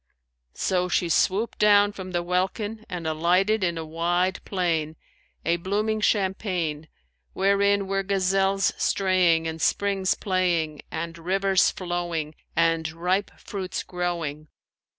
So she swooped down from the welkin and alighted in a wide plain, a blooming champaign, wherein were gazelles straying and springs playing and rivers flowing and ripe fruits growing.